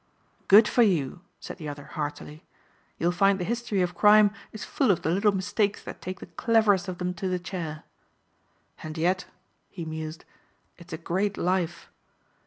"Good for you," said the other heartily. "You'll find the history of crime is full of the little mistakes that take the cleverest of them to the chair. And yet," he mused, "it's a great life.